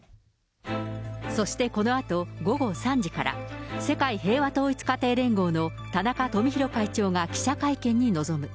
そしてこのあと午後３時から、世界平和統一家庭連合の田中富広会長が記者会見に臨む。